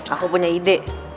aku punya ide